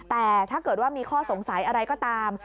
แต่ถ้าเกิดว่ามีข้อสงสัยอะไรก็ตาม